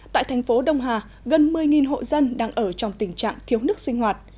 tại thành phố đông hà gần một mươi hộ dân đang ở trong tình trạng thiếu nước sinh hoạt